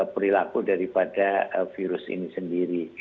perilaku daripada virus ini sendiri